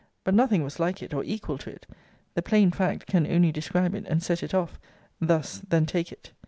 But nothing was like it, or equal to it. The plain fact can only describe it, and set it off thus then take it.